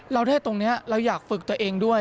เราได้ตรงนี้เราอยากฝึกตัวเองด้วย